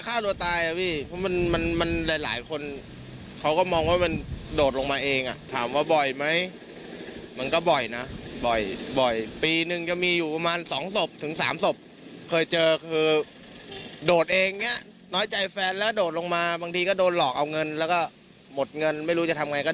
ก็ตกใจหรือคือเคยชินหรือก็มองไปเรื่องยังไงบ้าง